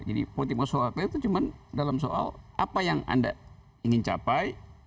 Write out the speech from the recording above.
jadi politik masuk akal itu cuma dalam soal apa yang anda ingin capai